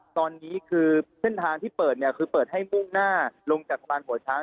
ตอนนี้คือเส้นทางที่เปิดเนี่ยคือเปิดให้มุ่งหน้าลงจากสะพานหัวช้าง